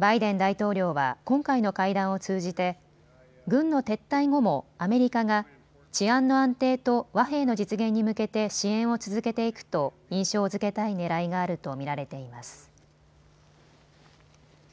バイデン大統領は今回の会談を通じて軍の撤退後もアメリカが治安の安定と和平の実現に向けて支援を続けていくと印象づけたいねらいがあると見られています。